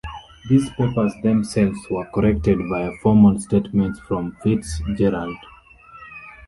These papers themselves were corrected via formal statements from Fitzgerald.